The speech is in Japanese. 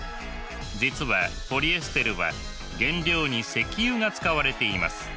実はポリエステルは原料に石油が使われています。